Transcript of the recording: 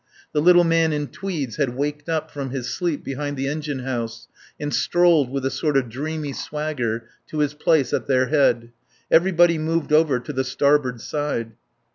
The little man in tweeds had waked up from his sleep behind the engine house, and strolled with a sort of dreamy swagger to his place at their head. Everybody moved over to the starboard side.